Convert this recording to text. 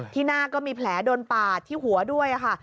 หน้าก็มีแผลโดนปาดที่หัวด้วยค่ะ